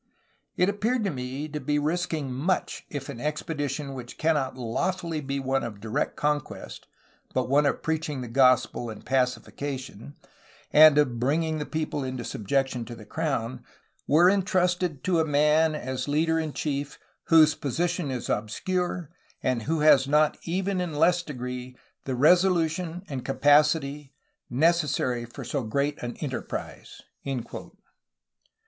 It appeared to me to be risking much if an expedition which cannot lawfully be one of direct conquest, but one of preaching the gospel and pacification, and of bringing the people into subjection to the crown, were entrusted to a man as leader and chief whose position is obscure and who has not even in less degree, the resolution and capacity necessary for so great an enterprise."